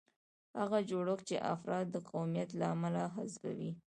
هغه جوړښت چې افراد د قومیت له امله حذفوي.